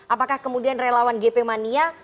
apakah kemudian relawan gp mania